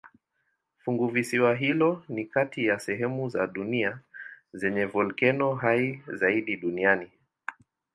Funguvisiwa hilo ni kati ya sehemu za dunia zenye volkeno hai zaidi duniani.